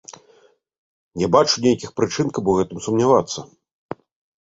Не бачу нейкіх прычын, каб у гэтым сумнявацца.